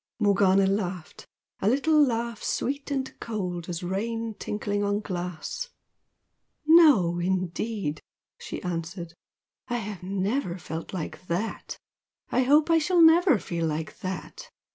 Morgana laughed a little laugh sweet and cold as rain tinkling on glass. "No, indeed!" she answered "I have never felt like THAT! I hope I shall never feel like THAT!